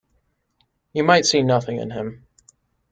You might see nothing in him.